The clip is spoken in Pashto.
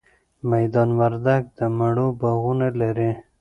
میدان وردګ د مڼو باغونه لري